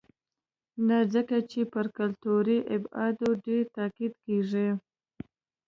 نه ځکه چې پر کلتوري ابعادو ډېر تاکید کېږي.